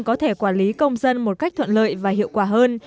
có thể quản lý công dân một cách thuận lợi và hiệu quả hơn